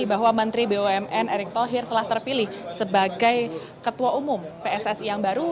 bahwa menteri bumn erick thohir telah terpilih sebagai ketua umum pssi yang baru